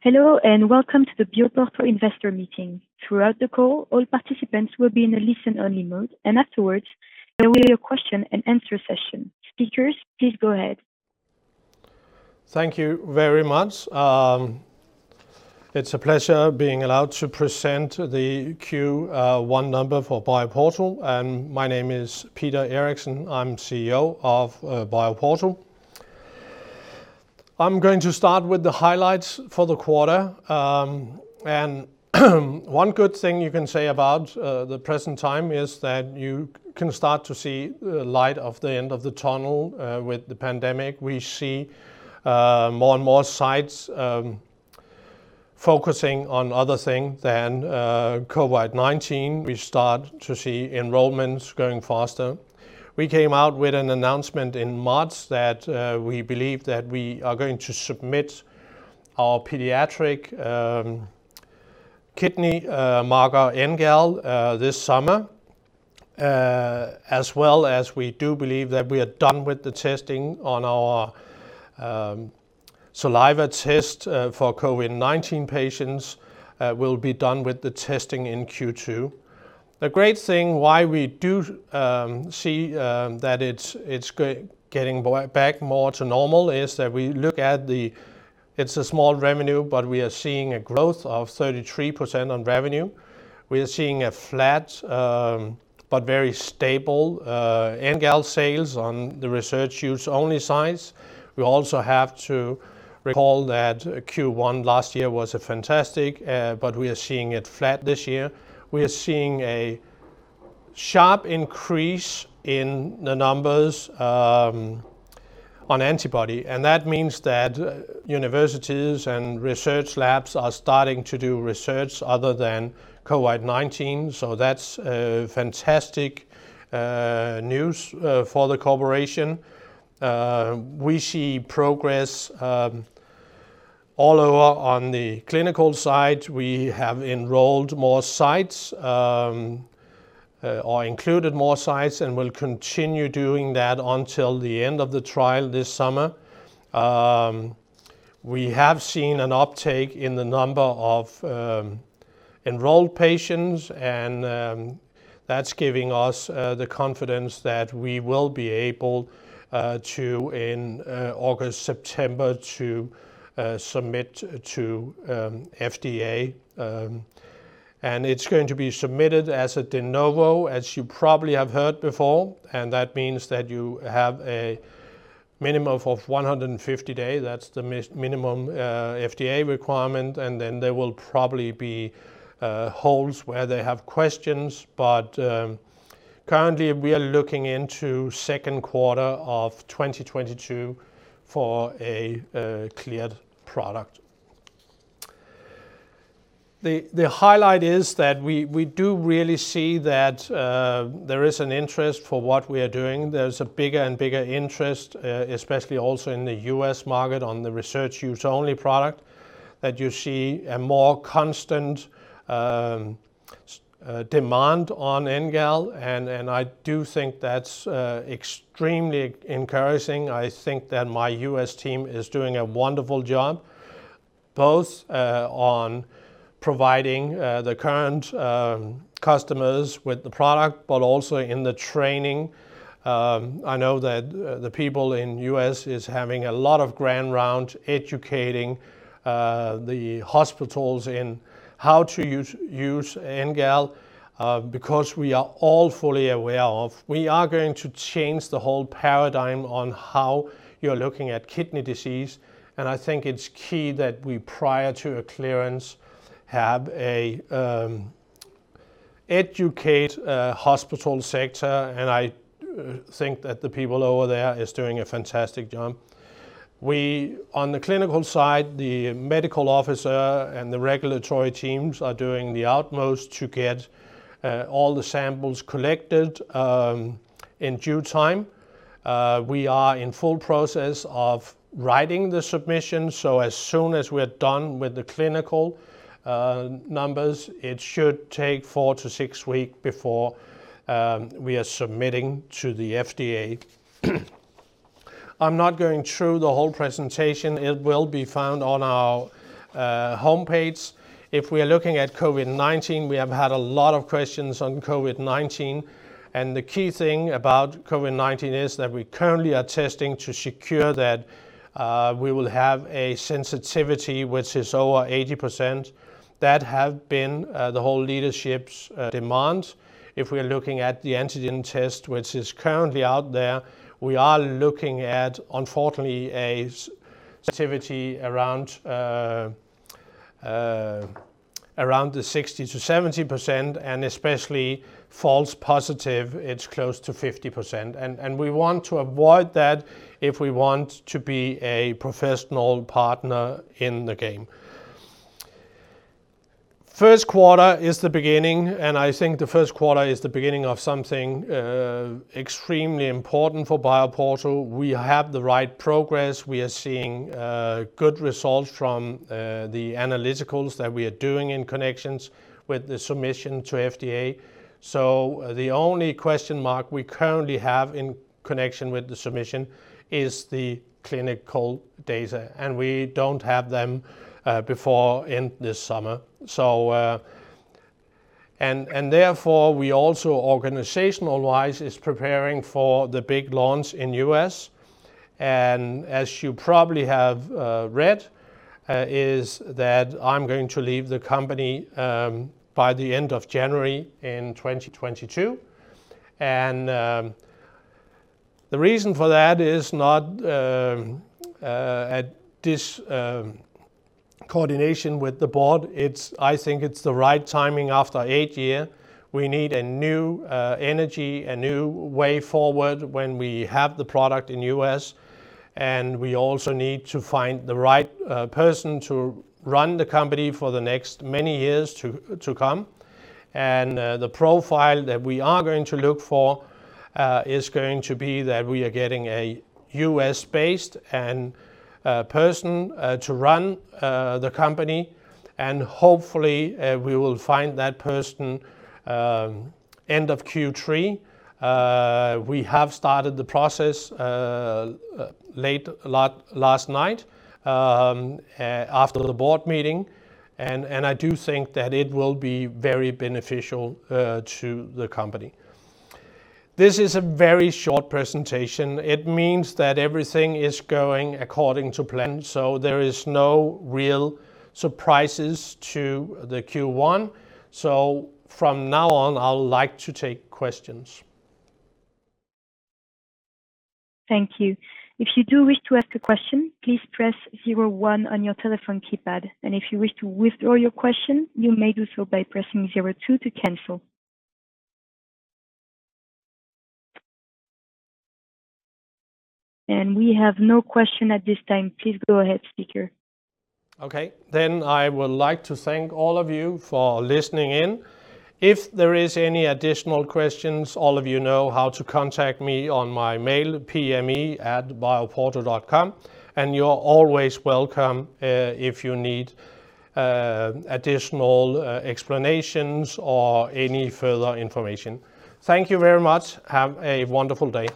Hello, and welcome to the BioPorto investor meeting. Throughout the call, all participants will be in a listen-only mode, and afterwards, there will be a question and answer session. Speakers, please go ahead. Thank you very much. It's a pleasure being allowed to present the Q1 number for BioPorto. My name is Peter Mørch Eriksen. I'm CEO of BioPorto. I'm going to start with the highlights for the quarter. One good thing you can say about the present time is that you can start to see light of the end of the tunnel with the pandemic. We see more and more sites focusing on other things than COVID-19. We start to see enrollments going faster. We came out with an announcement in March that we believe that we are going to submit our pediatric kidney marker, NGAL, this summer, as well as we do believe that we are done with the testing on our saliva test for COVID-19 patients. We'll be done with the testing in Q2. The great thing why we do see that it's getting back more to normal is that we look at the It's a small revenue, but we are seeing a growth of 33% on revenue. We are seeing a flat but very stable NGAL sales on the Research Use Only sites. We also have to recall that Q1 last year was fantastic, but we are seeing it flat this year. We are seeing a sharp increase in the numbers on antibody, and that means that universities and research labs are starting to do research other than COVID-19. That's fantastic news for the corporation. We see progress all over on the clinical side. We have enrolled more sites or included more sites, and we'll continue doing that until the end of the trial this summer. We have seen an uptake in the number of enrolled patients, that's giving us the confidence that we will be able to, in August, September, to submit to FDA. It's going to be submitted as a De Novo, as you probably have heard before. That means that you have a minimum of 150 day. That's the minimum FDA requirement. Then there will probably be holes where they have questions. Currently, we are looking into second quarter of 2022 for a cleared product. The highlight is that we do really see that there is an interest for what we are doing. There's a bigger and bigger interest, especially also in the U.S. market on the Research Use Only product, that you see a more constant demand on NGAL, I do think that's extremely encouraging. I think that my U.S. team is doing a wonderful job, both on providing the current customers with the product, but also in the training. I know that the people in U.S. is having a lot of grand rounds educating the hospitals in how to use NGAL. We are all fully aware of, we are going to change the whole paradigm on how you're looking at kidney disease. I think it's key that we, prior to a clearance, have a educate hospital sector, and I think that the people over there is doing a fantastic job. On the clinical side, the medical officer and the regulatory teams are doing the utmost to get all the samples collected in due time. We are in full process of writing the submission, so as soon as we're done with the clinical numbers, it should take four to six week before we are submitting to the FDA. I'm not going through the whole presentation. It will be found on our homepage. If we are looking at COVID-19, we have had a lot of questions on COVID-19, and the key thing about COVID-19 is that we currently are testing to secure that we will have a sensitivity which is over 80%. That have been the whole leadership's demand. If we are looking at the antigen test, which is currently out there, we are looking at, unfortunately, a sensitivity around the 60%-70% and especially false positive, it's close to 50%. We want to avoid that if we want to be a professional partner in the game. First quarter is the beginning, and I think the first quarter is the beginning of something extremely important for BioPorto. We have the right progress. We are seeing good results from the analyticals that we are doing in connections with the submission to FDA. The only question mark we currently have in connection with the submission is the clinical data, and we don't have them before end this summer. Therefore, we also organizational-wise is preparing for the big launch in U.S. As you probably have read, is that I'm going to leave the company by the end of January in 2022. The reason for that is not at discoordination with the board. I think it's the right timing after eight year. We need a new energy, a new way forward when we have the product in U.S., we also need to find the right person to run the company for the next many years to come. The profile that we are going to look for is going to be that we are getting a U.S.-based person to run the company, and hopefully we will find that person end of Q3. We have started the process late last night after the board meeting, I do think that it will be very beneficial to the company. This is a very short presentation. It means that everything is going according to plan, there is no real surprises to the Q1. From now on, I would like to take questions. We have no question at this time. Please go ahead, speaker. Okay, I would like to thank all of you for listening in. If there is any additional questions, all of you know how to contact me on my mail, pme@bioporto.com, and you're always welcome if you need additional explanations or any further information. Thank you very much. Have a wonderful day.